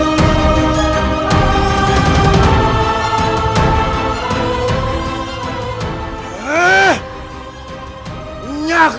kau akan menang